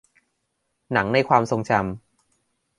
หนังในความทรงจำ